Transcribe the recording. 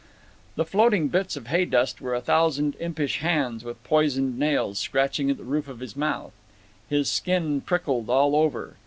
The floating bits of hay dust were a thousand impish hands with poisoned nails scratching at the roof of his mouth. His skin prickled all over.